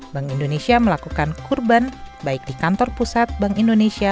bank indonesia melakukan kurban baik di kantor pusat bank indonesia